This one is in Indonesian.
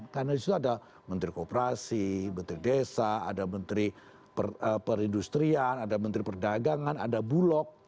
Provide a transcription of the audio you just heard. karena disitu ada menteri kooperasi menteri desa ada menteri perindustrian ada menteri perdagangan ada bulog